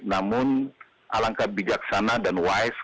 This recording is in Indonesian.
namun alangkah bijaksana dan wise